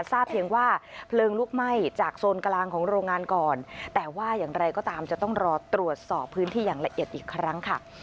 ทราบเพียงว่าเพลิงลุกไหม้จากโซนกลางของโรงงานก่อนแต่ว่าอย่างไรก็ตามจะต้องรอตรวจสอบพื้นที่อย่างละเอียดอีกครั้งค่ะ